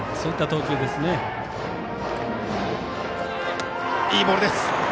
いいボールです。